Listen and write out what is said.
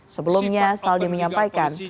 sebelumnya saldi menyampaikan